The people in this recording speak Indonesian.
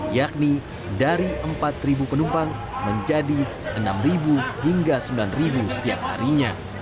yakni dari empat penumpang menjadi enam hingga sembilan setiap harinya